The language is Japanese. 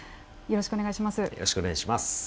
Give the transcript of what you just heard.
よろしくお願いします。